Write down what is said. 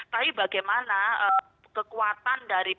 tapi bagaimana kekuatan dari